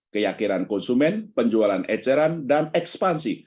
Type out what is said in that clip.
keyakinan konsumen penjualan eceran dan ekspansi